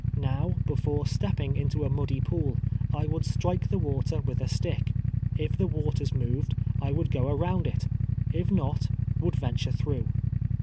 Kow, before stepping into a muddy pool, I would strike the water with a stick. If the waters moved, I woidd go around it, if not, would venture through.